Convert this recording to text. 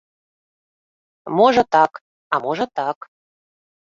Можа так, а можа так.